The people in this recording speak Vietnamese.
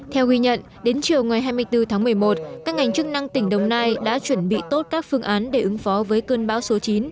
theo ghi nhận đến chiều ngày hai mươi bốn tháng một mươi một các ngành chức năng tỉnh đồng nai đã chuẩn bị tốt các phương án để ứng phó với cơn bão số chín